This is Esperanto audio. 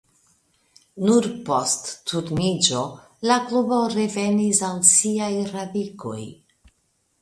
Nur post Turniĝo la klubo revenis al siaj radikoj.